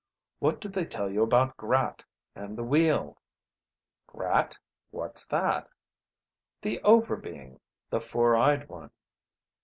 "What do they tell you about Grat, and the Wheel?" "Grat? What's that?" "The Over Being. The Four eyed One."